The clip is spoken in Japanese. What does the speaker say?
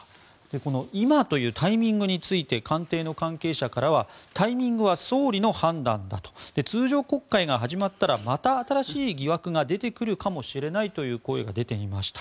この今というタイミングについて官邸の関係者からはタイミングは総理の判断だと通常国会が始まったらまた新しい疑惑が出てくるかもしれないという声が出ていました。